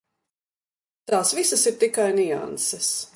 Tās visas ir tikai nianses.